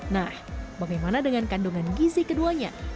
nah bagaimana dengan kandungan gizi keduanya